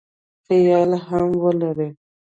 خیال هم ولري.